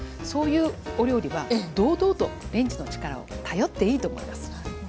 そういうお料理は堂々とレンジの力を頼っていいと思います。